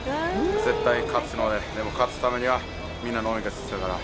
絶対勝つので、でも勝つためにはみんなの応援が必要だな。